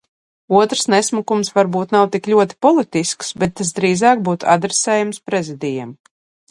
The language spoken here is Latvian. Otrs nesmukums varbūt nav tik ļoti politisks, bet tas drīzāk būtu adresējams Prezidijam.